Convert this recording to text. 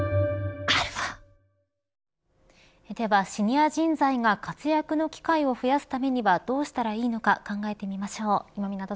ではシニア人材が活躍の機会を増やすためにはどうしたらいいのか考えてみましょう。